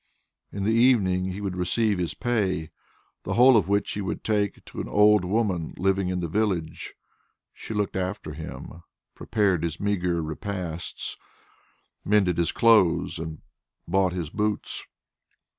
In the evening he would receive his pay, the whole of which he would take to an old woman living in the village. She looked after him, prepared his meagre repasts, mended his clothes, and bought his boots.